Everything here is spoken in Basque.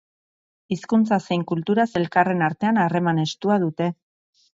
Hizkuntza zein kulturaz elkarren artean harreman estua dute.